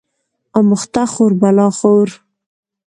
اموخته خور بلا خور